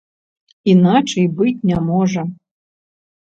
Іначай быць не можа.